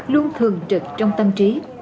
luôn thường trực trong tâm trí